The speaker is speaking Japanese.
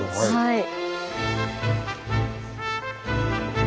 はい。